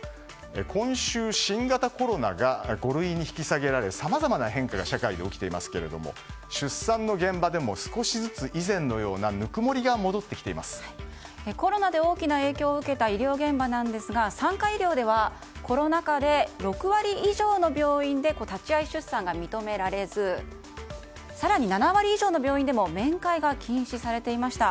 今週、新型コロナが５類に引き下げられさまざまな変化が社会で起きていますが出産の現場でも少しずつ以前のようなコロナで大きな影響を受けた医療現場ですが産科医療ではコロナ禍で６割以上の病院で立ち会い出産が認められず更に７割以上の病院でも面会が禁止されていました。